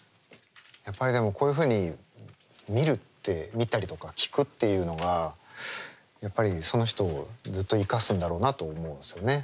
やっぱりでもこういうふうに見たりとか聴くっていうのがやっぱりその人をずっと生かすんだろうなと思うんですよね。